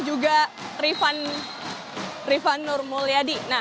juga rifan nurmulyadi